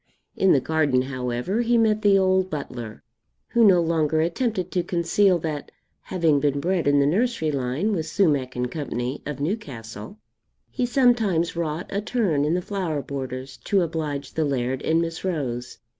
In the garden, however, he met the old butler, who no longer attempted to conceal that, having been bred in the nursery line with Sumack and Co. of Newcastle, he sometimes wrought a turn in the flower borders to oblige the Laird and Miss Rose.